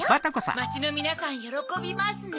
まちのみなさんよろこびますね。